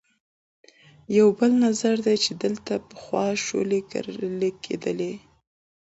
یو بل نظر دی چې دلته به پخوا شولې کرلې کېدې.